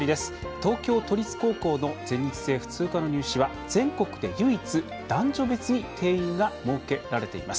東京都立高校の全日制普通科の入試は全国で唯一男女別に定員が設けられています。